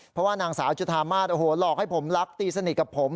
เพราะว่านางสาวจุธามาสโอ้โหหลอกให้ผมรักตีสนิทกับผม